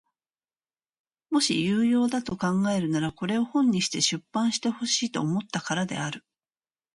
もし有用だと考えるならこれを本にして出版してほしいと思ったからである。